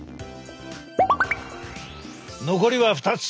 残りは２つ。